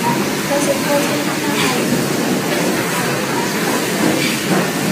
La secuencia de la audición pasó al episodio cuarto.